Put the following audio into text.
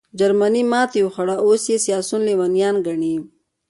جرمني ماتې وخوړه او اوس یې سیاسیون لېونیان ګڼې